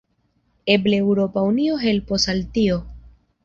Eble Eŭropa Unio helpos al tio.